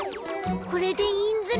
これでいいんズラ？